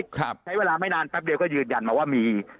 ใช้เวลาไม่นานแป๊บเดียวก็ยืนยันมาว่ามี